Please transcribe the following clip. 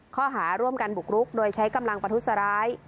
ข้อหาร่วมกันบุกรุกโดยใช้กำลังประทุษร้าย